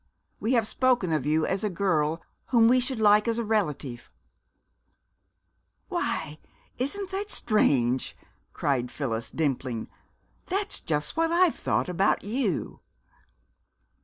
We have spoken of you as a girl whom we should like for a relative " "Why, isn't that strange?" cried Phyllis, dimpling. "That's just what I've thought about you!"